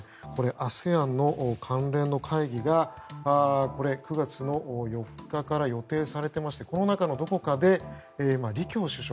ＡＳＥＡＮの関連の会議が９月の４日から予定されていましてこの中のどこかで、李強首相